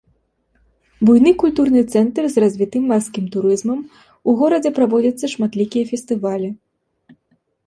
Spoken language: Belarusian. Буйны культурны цэнтр з развітым марскім турызмам, у горадзе праводзяцца шматлікія фестывалі.